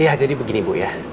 iya jadi begini bu ya